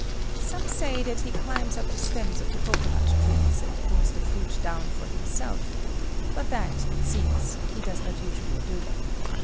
Some say that he climbs up the stems of the cocoa nut trees, and pulls the fruit down for himself; but that, it seems, he does not usually do.